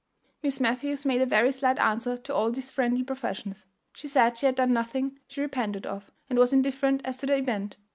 Miss Matthews made a very slight answer to all these friendly professions. She said she had done nothing she repented of, and was indifferent as to the event.